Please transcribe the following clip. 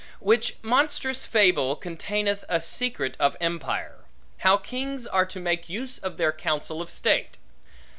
Which monstrous fable containeth a secret of empire; how kings are to make use of their counsel of state.